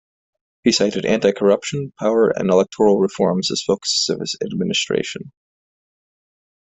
He cited anti-corruption, power and electoral reforms as focuses of his administration.